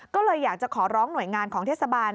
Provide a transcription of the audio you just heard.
ก็เลยอยากจะขอร้องหน่วยงานของเทศบาล